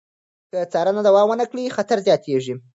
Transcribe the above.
که څارنه دوام ونه کړي، خطر زیاتېږي.